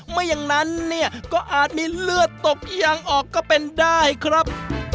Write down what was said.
ไม่อย่างนั้นเนี่ยก็อาจมีเลือดตกยังออกก็เป็นได้ครับ